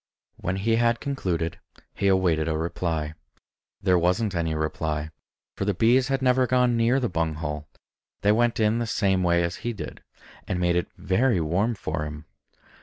When he had concluded, he awaited a reply. There wasn't any reply; for the bees had never gone near the bung hole; they went in the same way as he did, and made it very warm for him.